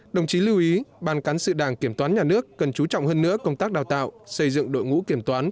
đồng chí lưu ý ban cán sự đảng kiểm toán nhà nước cần chú trọng hơn nữa công tác đào tạo xây dựng đội ngũ kiểm toán